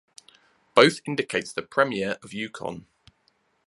Both indicates the Premier of Yukon